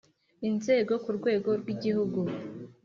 inzego ku rwego rw igihugu